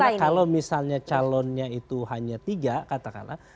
karena kalau misalnya calonnya itu hanya tiga katakanlah